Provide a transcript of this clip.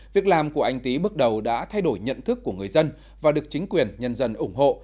việc làm của anh tý bước đầu đã thay đổi nhận thức của người dân và được chính quyền nhân dân ủng hộ